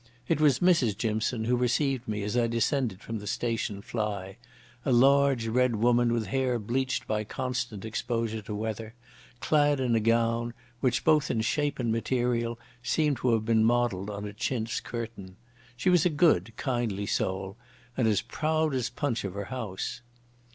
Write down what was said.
It was Mrs Jimson who received me as I descended from the station fly—a large red woman with hair bleached by constant exposure to weather, clad in a gown which, both in shape and material, seemed to have been modelled on a chintz curtain. She was a good kindly soul, and as proud as Punch of her house.